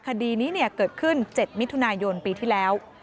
คดีนี้เกิดขึ้น๗มิถุนายนปีที่แล้ว